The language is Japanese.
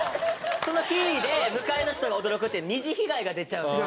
その「ヒィ！！」で向かいの人が驚くっていう２次被害が出ちゃうんですよ。